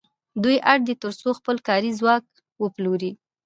دوی اړ دي تر څو خپل کاري ځواک وپلوري